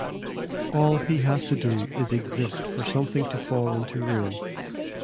All he has to do is exist for something to fall into ruin.